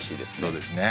そうですね。